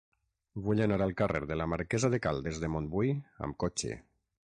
Vull anar al carrer de la Marquesa de Caldes de Montbui amb cotxe.